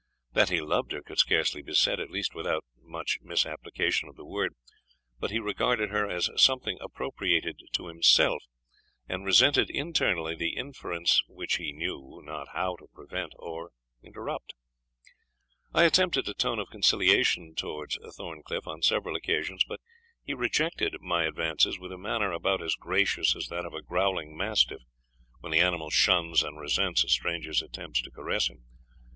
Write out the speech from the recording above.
That he loved her, could scarcely be said, at least without much misapplication of the word; but he regarded her as something appropriated to himself, and resented internally the interference which he knew not how to prevent or interrupt. I attempted a tone of conciliation towards Thorncliff on several occasions; but he rejected my advances with a manner about as gracious as that of a growling mastiff, when the animal shuns and resents a stranger's attempts to caress him.